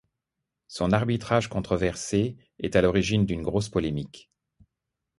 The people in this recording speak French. Son arbitrage controversé est à l'origine d'une grosse polémique.